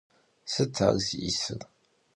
Sıt ar zi'ısır?